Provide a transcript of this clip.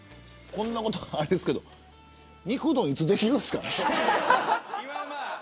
こんなこと言うのあれですけど肉うどん、いつできるんですか。